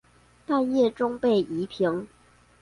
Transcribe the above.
半夜中被移平